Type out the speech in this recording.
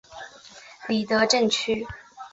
里德镇区。